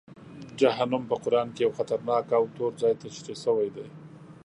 جهنم په قرآن کې یو خطرناک او توره ځای تشریح شوی دی.